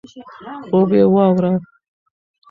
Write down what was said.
خوب یې واوره.